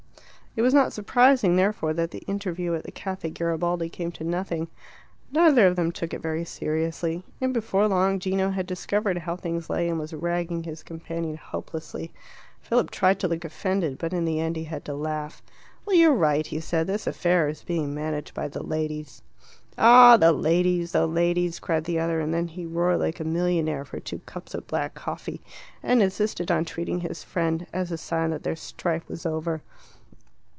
It was not surprising, therefore, that the interview at the Caffe Garibaldi came to nothing. Neither of them took it very seriously. And before long Gino had discovered how things lay, and was ragging his companion hopelessly. Philip tried to look offended, but in the end he had to laugh. "Well, you are right," he said. "This affair is being managed by the ladies." "Ah, the ladies the ladies!" cried the other, and then he roared like a millionaire for two cups of black coffee, and insisted on treating his friend, as a sign that their strife was over.